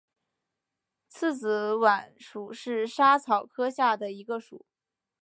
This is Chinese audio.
刺子莞属是莎草科下的一个属。